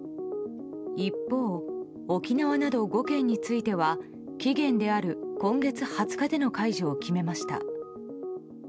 一方、沖縄など５県については期限である今月２０日での解除を決めました。